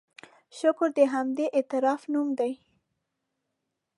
شکر د همدې اعتراف نوم دی.